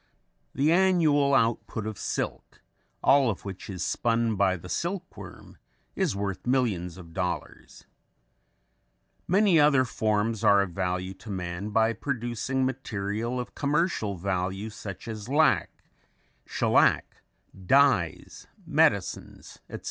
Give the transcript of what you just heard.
The annual output of silk, all of which is spun by the silkworm, is worth millions of dollars. Many other forms are of value to man by producing material of commercial value such as lac, shellack, dyes, medicines, etc.